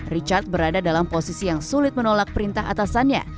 richard berada dalam posisi yang sulit menolak perintah atasannya